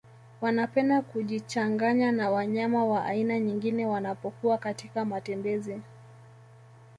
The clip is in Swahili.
Wanapenda kujichanganya na wanyama wa aina nyingine wanapokuwa katika matembezi